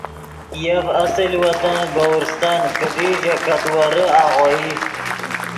یف اصل وطن گورّستن کیدی ژے کتویرے آغوئی